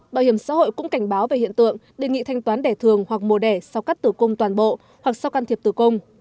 bảo hiểm xã hội cũng cảnh báo về hiện tượng đề nghị thanh toán đẻ thường hoặc mùa đẻ sau cắt tử cung toàn bộ hoặc sau can thiệp tử cung